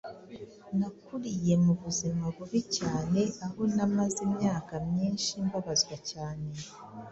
Nakuriye mu buzima bubi cyane aho namaze imyaka myinshi mbabazwa cyane,